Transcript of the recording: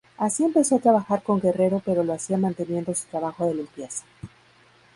Así empezó a trabajar con Guerrero pero lo hacía manteniendo su trabajo de limpieza.